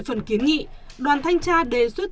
phần kiến nghị đoàn thanh tra đề xuất